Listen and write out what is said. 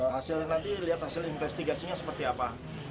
hasilnya nanti lihat hasil investigasinya seperti apa